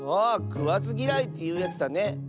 あくわずぎらいというやつだね。